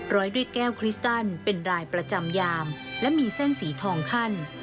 ร้อยด้วยแก้วคริสตันเป็นรายประจำยามและมีเส้นสีทองขั้น